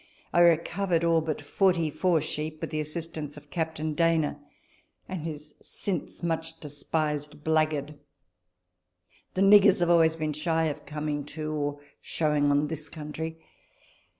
I recovered all but 44 sheep with the assistance of Captain Dana and his since much despised black guard. The niggers have always been shy of coming to or showing on this country.